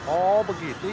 oh begitu ya